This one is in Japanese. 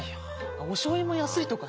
おしょうゆも安いとかね。